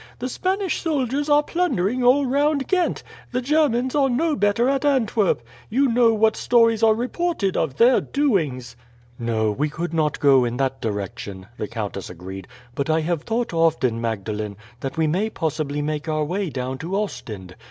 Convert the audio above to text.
"The Spanish soldiers are plundering all round Ghent; the Germans are no better at Antwerp. You know what stories are reported of their doings." "No, we could not go in that direction," the countess agreed; "but I have thought often, Magdalene, that we may possibly make our way down to Ostend.